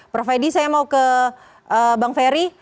prof edi saya mau ke bang ferry